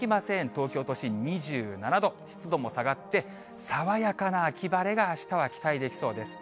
東京都心２７度、湿度も下がって、爽やかな秋晴れがあしたは期待できそうです。